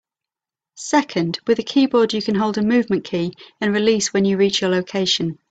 Second, with a keyboard you can hold a movement key and release when you reach your location.